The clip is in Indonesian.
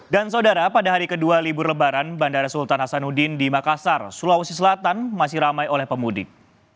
dan saudara pada hari kedua libur lebaran bandara sultan hasanuddin di makassar sulawesi selatan masih ramai oleh pemudik